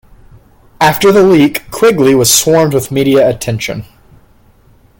After the leak, Quigley was swarmed with media attention.